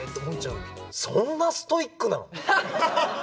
そんなストイックなの？